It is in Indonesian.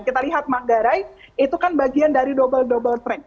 kita lihat manggarai itu kan bagian dari double double track